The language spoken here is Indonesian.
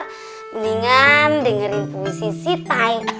mendingan dengerin puisi si tai